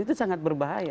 itu sangat berbahaya